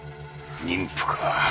妊婦か。